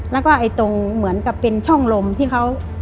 แล้วก็ตรงเหมือนกับเป็นช่องลมที่เขา